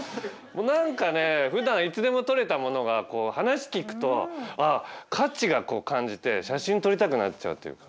何かねふだんいつでも撮れたものが話聞くと価値が感じて写真撮りたくなっちゃうっていうか。